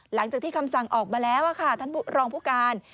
หลังจากที่คำสั่งออกมาแล้วค่ะท่านรองผู้การ